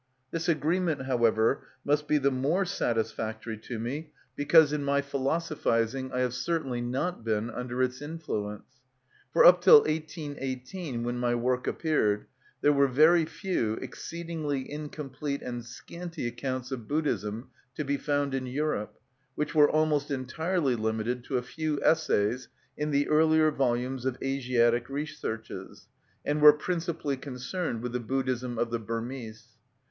This agreement, however, must be the more satisfactory to me because in my philosophising I have certainly not been under its influence. For up till 1818, when my work appeared, there were very few, exceedingly incomplete and scanty, accounts of Buddhism to be found in Europe, which were almost entirely limited to a few essays in the earlier volumes of "Asiatic Researches," and were principally concerned with the Buddhism of the Burmese.